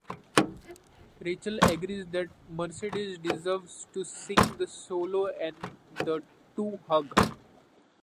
Rachel agrees that Mercedes deserves to sing the solo and the two hug.